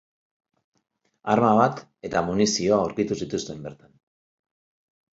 Arma bat eta munizioa aurkitu zituzten bertan.